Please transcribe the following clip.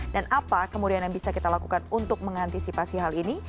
dan apa kemudian yang bisa kita lakukan untuk mengantisipasi hal ini